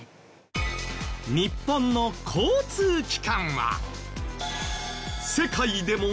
日本の交通機関は。